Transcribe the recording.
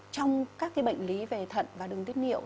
trong các bệnh lý về thận và đường tiết niệu